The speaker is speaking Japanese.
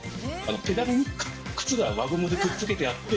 ペダルに靴が輪ゴムでくっつけてあって。